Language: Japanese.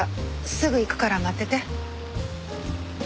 すぐ行くから待ってて。